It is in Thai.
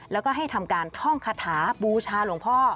แล้วก็ให้ทำการท่องคาถาบูชาหลวงพ่อ